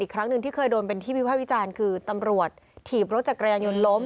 ครั้งหนึ่งที่เคยโดนเป็นที่วิภาควิจารณ์คือตำรวจถีบรถจักรยานยนต์ล้ม